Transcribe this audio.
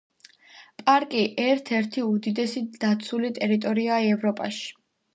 პარკი ერთ-ერთი უდიდესი დაცული ტერიტორიაა ევროპაში.